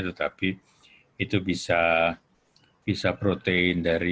tetapi itu bisa protein dari